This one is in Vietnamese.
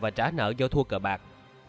và trả nợ do thua cờ bạc